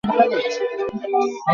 একে যে সামলায় কীভাবে!